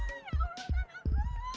ya allah anak gue